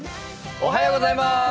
おはようございます。